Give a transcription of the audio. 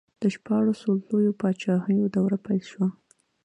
د شپاړسو لویو پاچاهیو دوره پیل شوه.